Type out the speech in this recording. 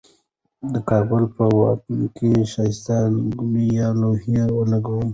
دې کابل په واټونو کې ښایسته لیکبڼي یا لوحی ولګیدي.